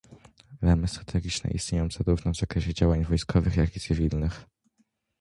Ramy strategiczne istnieją zarówno w zakresie działań wojskowych, jak i cywilnych